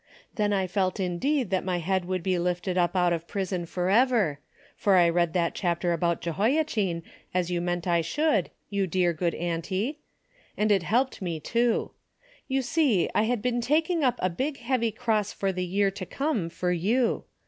Then I felt indeed that my head would be lifted up out of prison forever — for I read the chapter about Jehoiachin as you meant I should, you dear good auntie — and it helped me too. You see I had been taking up a big heavy cross for the year to come for you.